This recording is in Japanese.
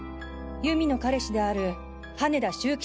由美の彼氏である羽田秀